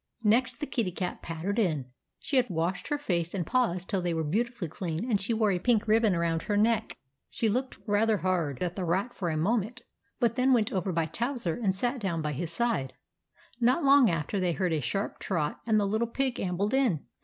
Next the Kitty Cat pattered in. She had washed her face and paws till they were beautifully clean, and she wore a pink ribbon around her neck. She looked rather i2 4 THE ADVENTURES OF MABEL hard at the Rat for a moment, but then went over by Towser, and sat down by his side. Not long after, they heard a sharp trot, and the Little Pig ambled in.